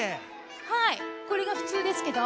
はいこれがふつうですけど。